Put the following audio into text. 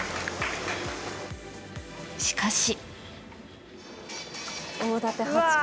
しかし。